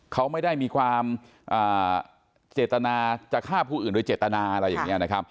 เขาไม่ได้มีความเจตนาจะฆ่าผู้อื่นโดยเจตนาอะไรอย่างนี้นะครับ